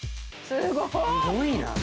すごいな。